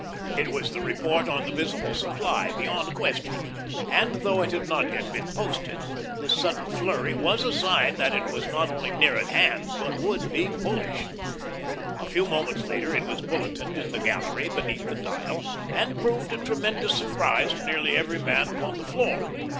It was the Report on the Visible Supply beyond question, and though it had not yet been posted, this sudden flurry was a sign that it was not only near at hand, but would be bullish. A few moments later it was bulletined in the gallery beneath the dial, and proved a tremendous surprise to nearly every man upon the floor.